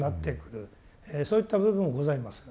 そういった部分もございます。